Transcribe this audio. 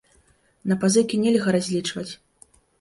На пазыкі нельга разлічваць.